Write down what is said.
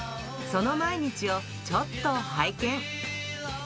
その毎日をちょっと拝見。